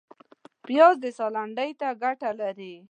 پیاز د ساه لنډۍ ته ګټه لري